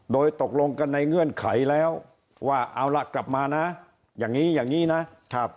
โดยตกลงกันในเงื่อนไขแล้วว่าเอาล่ะกลับมานะอย่างนี้อย่างนี้นะครับ